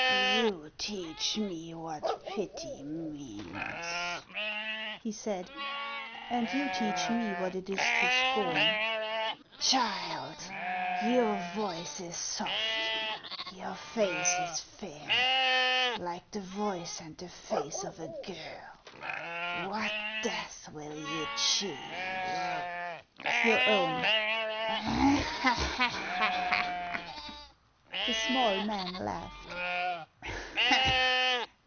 " You teach me what pity means," he said. " And you teach me what it is to scorn." "Child, your voice is soft, your face is fair, like the voice and the face of a girl ; what death will you choose ?" "Your own." The small man laughed. HANS OF ICELAND.